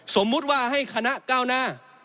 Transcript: สมมุติว่าให้คณะก้าวหน้า